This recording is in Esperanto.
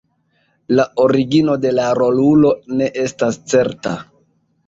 La origino de la rolulo ne estas certa.